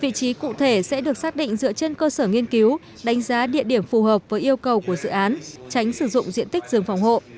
vị trí cụ thể sẽ được xác định dựa trên cơ sở nghiên cứu đánh giá địa điểm phù hợp với yêu cầu của dự án tránh sử dụng diện tích rừng phòng hộ